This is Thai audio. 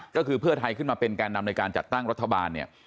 ก็คือเพื่อไทยขึ้นมาเป็นแก่นำในการจัดตั้งรัฐบาลเนี่ย